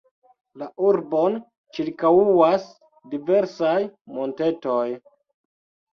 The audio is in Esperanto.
La urbon ĉirkaŭas diversaj montetoj.